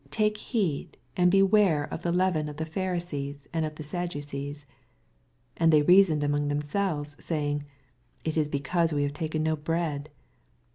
Take heed and beware of the leaven of the Pharisees and of the Sadducees. 7 And they reasoned among them selves, saying. It is because we have taken no bread.